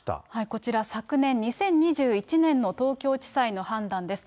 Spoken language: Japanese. こちら、昨年・２０２１年の東京地裁の判断です。